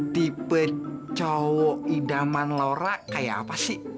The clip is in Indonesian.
tipe cowok idaman lora kayak apa sih